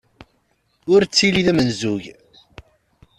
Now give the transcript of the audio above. Ur ttili d amenzug.